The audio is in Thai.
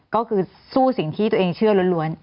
ก็คือสู้สิ่งที่ตัวเองเชื่อล้วน